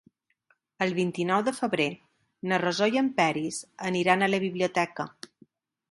El vint-i-nou de febrer na Rosó i en Peris aniran a la biblioteca.